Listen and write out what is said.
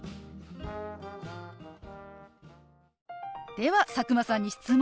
では佐久間さんに質問。